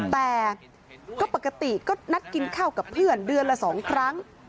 แต่ก็ปกติก็นัดกินข้าวกับเพื่อนเดือนละ๒ครั้ง